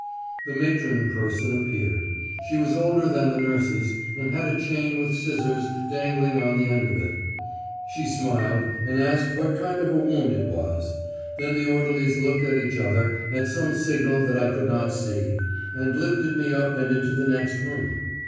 The matron person appeared. She was older than the nurses, and had a chain with scissors dangling on the end of it. She smiled, and asked what kind of a wound it was. Then the orderlies looked at each other, at some signal that I could not see, and lifted me up and into the next room.